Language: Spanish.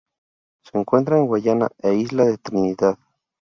Se encuentra en Guayana e isla de Trinidad.